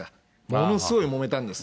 ものすごいもめたんです。